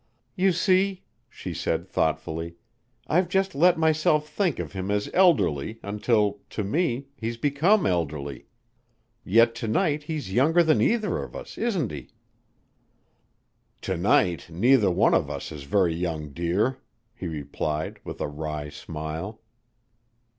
"You see," she said thoughtfully, "I've just let myself think of him as elderly until, to me, he's become elderly. Yet to night he's younger than either of us, isn't he?" "To night neither one of us is very young, dear," he replied with a wry smile.